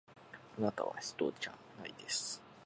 あなたは人です